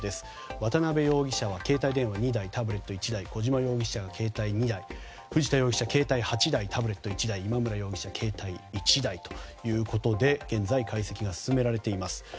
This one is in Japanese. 渡邉容疑者は携帯電話２台タブレット１台小島容疑者が携帯２台藤田容疑者が携帯８台、タブレット１台今村容疑者、携帯１台ということで現在、解析が進められています。